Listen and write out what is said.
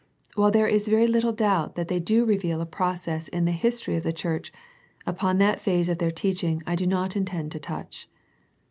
While there is very little doubt that they do reveal a process in the history of the Church, upon that phase of their teaching I do not intend to touch.